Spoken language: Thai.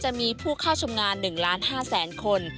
จะมีผู้เข้าชมงาน๑ล้าน๕แสนคน